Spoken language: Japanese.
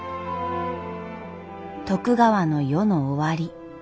徳川の世の終わり。